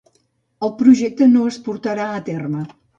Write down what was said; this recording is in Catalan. El projecte no es portà a terme.